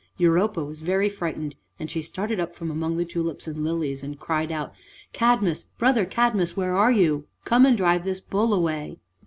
Europa was very frightened, and she started up from among the tulips and lilies and cried out, "Cadmus, brother Cadmus, where are you? Come and drive this bull away."